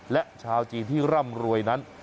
และชาวจีนที่ร่ำรวยนั้น